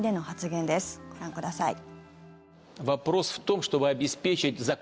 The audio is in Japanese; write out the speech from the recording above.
ご覧ください。